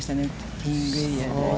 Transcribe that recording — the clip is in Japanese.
ティーイングエリアで。